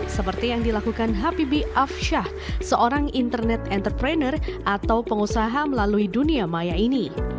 seperti yang dilakukan habibie afsyah seorang internet entrepreneur atau pengusaha melalui dunia maya ini